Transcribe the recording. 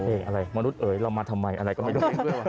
อะไรมนุษย์เอ๋ยเรามาทำไมอะไรก็ไม่รู้